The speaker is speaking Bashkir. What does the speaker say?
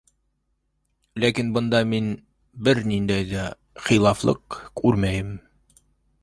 Ләкин бында мин бер ниндәй ҙә хилафлыҡ күрмәйем.